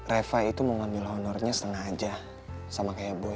reva itu mau ngambil honornya setengah aja sama kayak boy